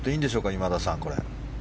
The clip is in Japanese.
今田さん。